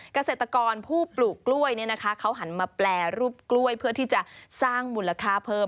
เกษตรกรผู้ปลูกกล้วยเขาหันมาแปรรูปกล้วยเพื่อที่จะสร้างมูลค่าเพิ่ม